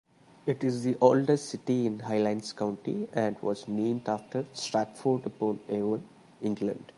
It is the oldest city in Highlands County, and was named after Stratford-upon-Avon, England.